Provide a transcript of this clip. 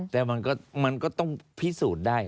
แต่มันก็ต้องพิสูจน์ได้